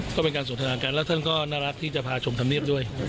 ก็เป็นการสนทนากันแล้วท่านก็น่ารักที่จะพาชมธรรมเนียบด้วย